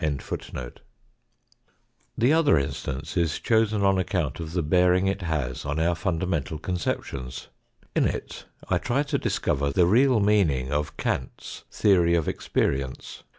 * The other instance is chosen on account of the bearing it has on our fundamental conceptions. In it I try to discover the real meaning of Kant's theory of experience.